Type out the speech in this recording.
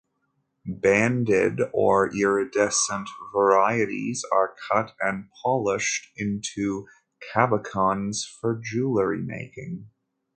Banded or iridescent varieties are cut and polished into cabochons for jewelry making.